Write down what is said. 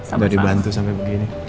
udah dibantu sampai begini